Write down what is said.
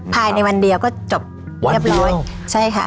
ภายในวันเดียวก็จบเรียบร้อยใช่ค่ะ